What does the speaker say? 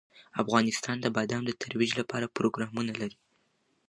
افغانستان د بادام د ترویج لپاره پروګرامونه لري.